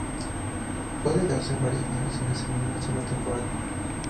Pueden darse varias generaciones en una sola temporada.